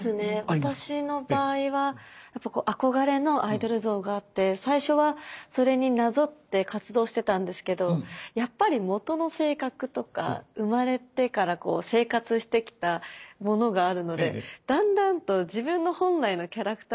私の場合は憧れのアイドル像があって最初はそれになぞって活動してたんですけどやっぱり元の性格とか生まれてから生活してきたものがあるのでだんだんと自分の本来のキャラクターがそれを越えていっちゃうというか。